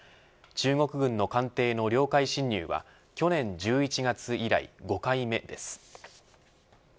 中国軍の艦艇の領海侵入は去年１１月以来、５回目です。